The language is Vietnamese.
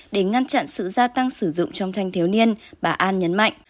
để ngăn chặn sự gia tăng sử dụng trong thanh thiếu niên bà an nhấn mạnh